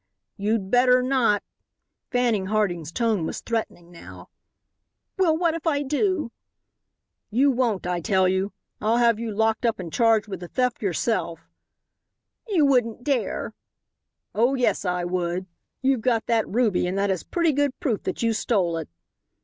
"You'd better not," Fanning Harding's tone was threatening now. "Well, what if I do?" "You won't, I tell you. I'll have you locked up and charged with the theft yourself." "You wouldn't dare." "Oh, yes, I would. You've got that ruby and that is pretty good proof that you stole it."